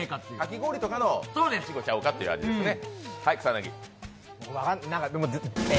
かき氷とかのいちごちゃうかということですね。